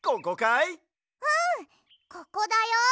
うんここだよ。